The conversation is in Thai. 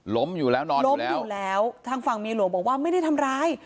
ล้มอยู่แล้วนอนล้มอยู่แล้วทางฝั่งเมียหลวงบอกว่าไม่ได้ทำร้าย